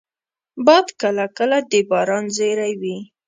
باد کله کله د باران زېری وي